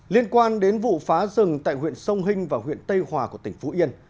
liên quan đến vụ phá rừng tại huyện sông hinh và huyện tây hòa của tỉnh phú yên